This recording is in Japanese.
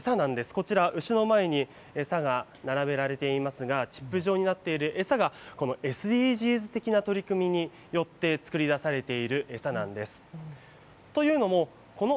こちら、牛の前に餌が並べられていますが、チップ状になっている餌が、このＳＤＧｓ的な取り組みに作り出されている餌なんです。